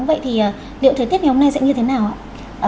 vậy thì liệu thời tiết ngày hôm nay sẽ như thế nào ạ